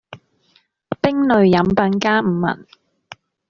冰類飲品加五文